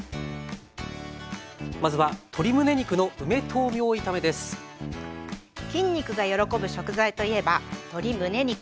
まずは筋肉がよろこぶ食材といえば鶏むね肉。